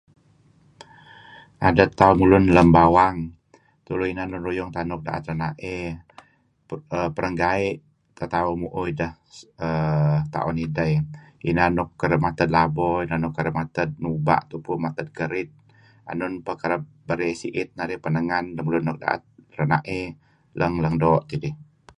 Adet tauh mulun lem bawang tulu inan lun ruyung tauh nuk da'et rena'ey perenggai' teh tauh mu'uh idah err ta'on idah eh, inan nuk kereb mated labo eh inan nuk kereb mated nuba' tupu mated kerid enun peh kereb berey si'it penengan lemulun nuk da'et rena'ey lang lang doo' tidih.